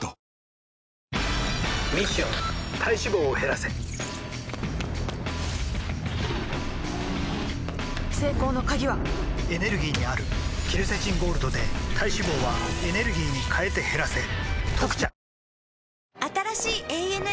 ミッション体脂肪を減らせ成功の鍵はエネルギーにあるケルセチンゴールドで体脂肪はエネルギーに変えて減らせ「特茶」